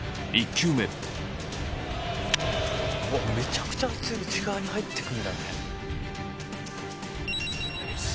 「うわっめちゃくちゃ内側に入ってくるんだね」